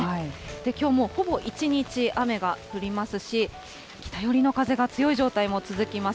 きょうもほぼ一日雨が降りますし、北寄りの風が強い状態も続きます。